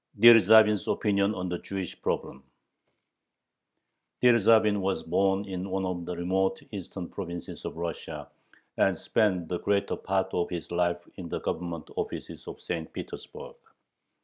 DYERZHAVIN'S "OPINION" ON THE JEWISH PROBLEM Dyerzhavin was born in one of the remote eastern provinces of Russia, and spent the greater part of his life in the Government offices of St. Petersburg.